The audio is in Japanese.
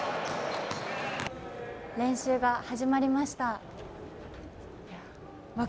練習が始まりました。